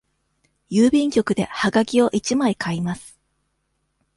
郵便局ではがきを一枚買います。